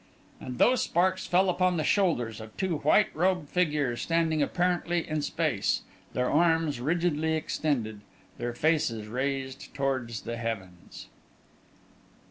And those sparks fell upon the shoulders of two white robed figures, standing apparently in space, their arms rigidly extended, their faces raised toward the heavens.